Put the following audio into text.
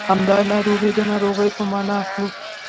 همدا ناروغي د ناروغۍ په مانا اخلو.